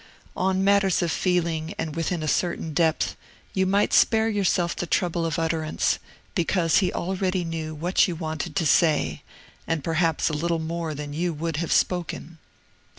On matters of feeling, and within a certain depth, you might spare yourself the trouble of utterance, because he already knew what you wanted to say, and perhaps a little more than you would have spoken.